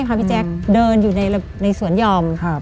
พระพี่แจ๊กเดินอยู่ในสวนหย่อม